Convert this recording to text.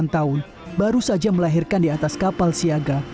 delapan tahun baru saja melahirkan di atas kapal siaga